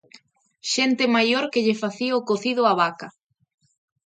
Xente maior que lle facía o cocido á vaca.